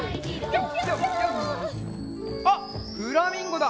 あっフラミンゴだ！